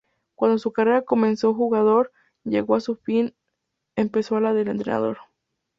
Cuando su carrera como jugador llegó a su fin empezó la de entrenador.